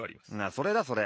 それだそれ。